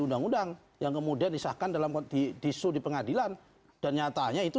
undang undang yang kemudian disahkan dalam kondisi disu di pengadilan dan nyatanya itu